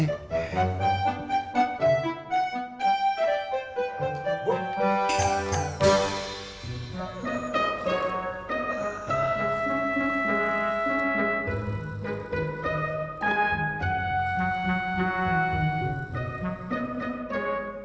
tidak ada apa apa